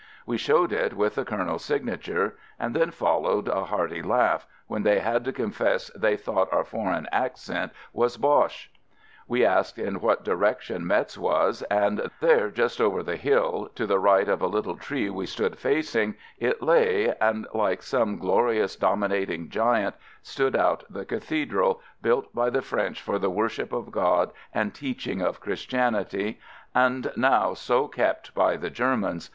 We showed it with the Colonel's signature, and then followed a hearty laugh — when they had to confess they thought our foreign accent was Boche! We asked in what direction Metz was, and there just over the hill, to FIELD SERVICE 105 the right of a little tree we stood facing, it lay, and, like some glorious dominating giant, stood out the cathedral — built by the French for the worship of God and teaching of Christianity, and now so kept by the Germans